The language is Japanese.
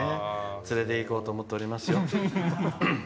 連れて行こうと思っておりますよ。